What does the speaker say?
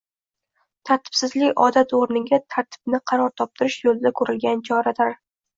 tartibsizlik odati o‘rniga tartibni qaror toptirish yo‘lida ko‘rilgan choralar.